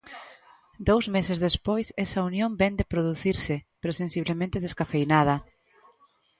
Dous meses despois esa unión vén de producirse, pero sensiblemente descafeinada.